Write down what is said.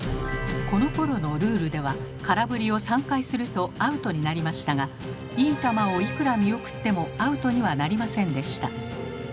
このころのルールでは空振りを３回するとアウトになりましたが「いい球」をいくら見送ってもアウトにはなりませんでした。